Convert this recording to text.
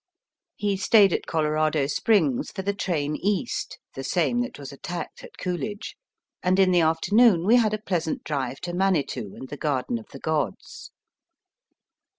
He stayed at Colorado Springs for the train east (the same that was attacked at Coolidge), and in the afternoon we had a pleasant drive to Manitou and the Garden of the Gods.